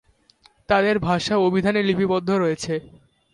তাদের ভাষা অভিধানে লিপিবদ্ধ রয়েছে।